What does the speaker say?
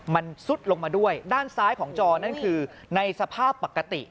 มันซุดลงมาด้วยด้านซ้ายของจอนั่นคือในสภาพปกติ